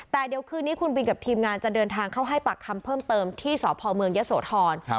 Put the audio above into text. แต่เดี๋ยวคืนนี้คุณบินกับทีมงานจะเดินทางเข้าให้ปากคำเพิ่มเติมที่สพเมืองยะโสธร